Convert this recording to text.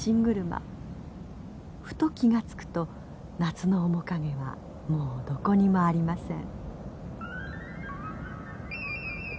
ふと気が付くと夏の面影はもうどこにもありません。